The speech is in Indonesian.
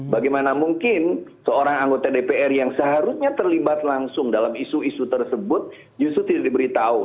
bagaimana mungkin seorang anggota dpr yang seharusnya terlibat langsung dalam isu isu tersebut justru tidak diberitahu